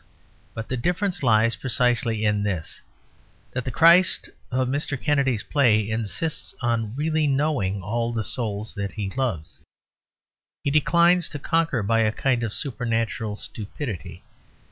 But the difference lies precisely in this that the Christ of Mr. Kennedy's play insists on really knowing all the souls that he loves; he declines to conquer by a kind of supernatural stupidity.